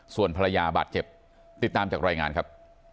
ส่วนภรรยาบาดเจ็บติดตามจากรายงานครับ